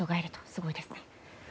すごいですね。